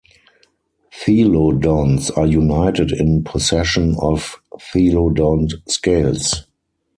Thelodonts are united in possession of "thelodont scales".